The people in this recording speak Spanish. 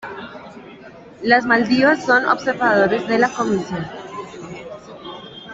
Las Maldivas son observadores de la comisión.